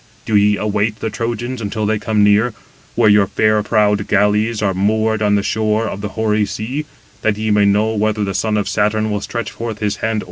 Do ye await the Trojans until they come near, where your fair prowed galleys are moored on the shore of the hoary sea, that ye may know whether the son of Saturn will stretch forth his hand over you."